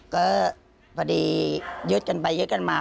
ก็พอดียึดกันไปยึดกันมา